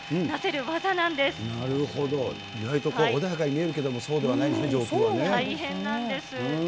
なるほど、意外と穏やかに見えるけれども、そうではないんですね、上空はね。大変なんです。